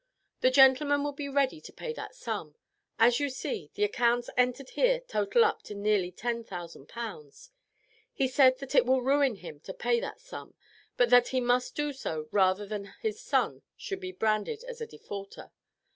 The gentleman will be ready to pay that sum. As you see, the amounts entered here total up to nearly 10,000 pounds. He said that it will ruin him to pay that sum, but that he must do so rather than his son should be branded as a defaulter.